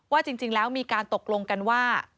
ว่าจริงแล้วมีการตกลงกันว่า